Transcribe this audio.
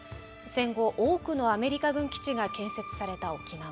戦後多くのアメリカ軍基地が建設された沖縄。